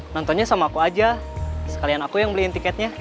nontonnya sama aku aja sekalian aku yang beliin tiketnya